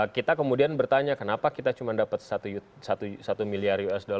kita kemudian bertanya kenapa kita cuma dapat satu miliar usd